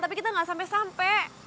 tapi kita gak sampai sampai